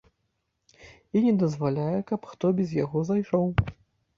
І не дазваляе, каб хто без яго зайшоў.